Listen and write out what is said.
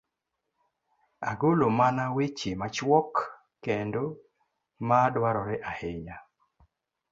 ogolo mana weche machuok kendo ma dwarore ahinya.